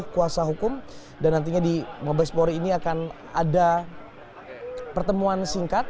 kuasa hukum dan nantinya di mabespori ini akan ada pertemuan singkat